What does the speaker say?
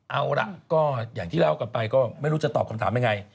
เอาล่ะก็อย่างที่เล่ากันไปก็ไม่รู้จะตอบคำถามยังไง